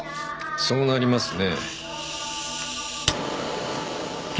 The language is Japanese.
そうなりますね。